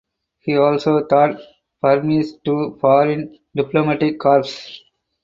He also taught Burmese to foreign diplomatic corps.